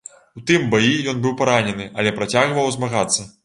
У тым баі ён быў паранены, але працягваў змагацца.